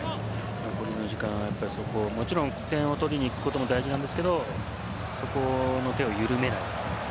この時間から、もちろん点を取りにいくことを大事なんですがそこの手をゆるめない。